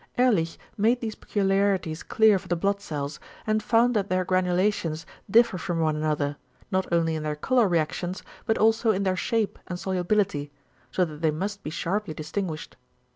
Ehrlich made these peculiarities clear for the blood cells, and found that their granulations differ from one another, not only in their colour reactions, but also in their =shape= and =solubility=; so that they must be sharply distinguished.